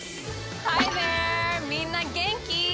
みんなげんき？